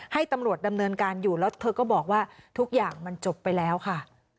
ให้ตำรวจดำเนินการอยู่แล้วเธอก็บอกว่าทุกอย่างมันจบไปแล้วค่ะ